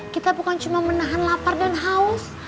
kita bukan cuma menahan lapar dan haus